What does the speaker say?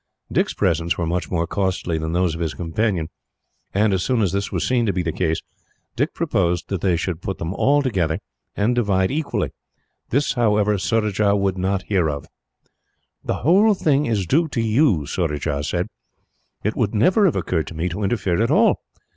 Dick's presents were much more costly than those of his companion, and as soon as this was seen to be the case, Dick proposed that they should all be put together, and divided equally. This, however, Surajah would not hear of. "The whole thing is due to you," he said. "It would never have occurred to me to interfere at all.